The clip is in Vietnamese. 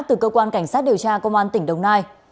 từ cơ quan cảnh sát điều tra công an tỉnh đồng nai